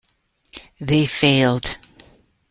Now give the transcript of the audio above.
They failed.